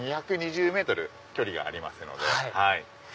２２０ｍ距離がありますので。